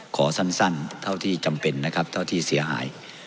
ขอสั้นเท่าที่จำเป็นนะครับเท่าที่เสียหาย